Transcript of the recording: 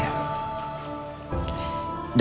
aku suka dia